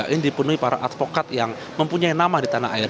ini dipenuhi para advokat yang mempunyai nama di tanah air